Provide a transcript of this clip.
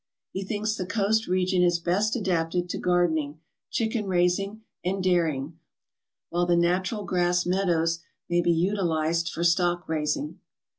He thinks the coast region is best adapted to gardening, chicken raising, and dairying, while the natural grass meadows may be utilized for stock raising.